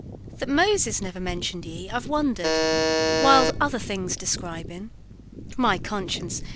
"That Moses never mention'd ye I've wonder'd, While other things describin'; My conscience!